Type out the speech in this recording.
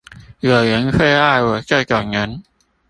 有人會愛我這種人